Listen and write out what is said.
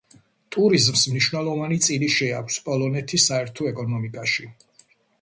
ტურიზმს მნიშვნელოვანი წილი შეაქვს პოლონეთის საერთო ეკონომიკაში.